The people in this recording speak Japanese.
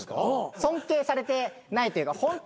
尊敬されてないというかホントに面白いのに。